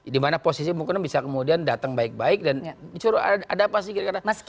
dimana posisi mungkin bisa kemudian datang baik baik dan dicuruh ada apa sih